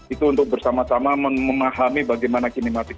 itu untuk bersama sama memahami bagaimana kinematik